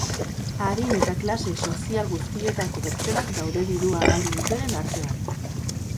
Adin eta klase sozial guztietako pertsonak daude dirua galdu dutenen artean.